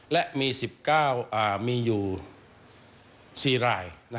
และมี๑๙มีอยู่๔ราย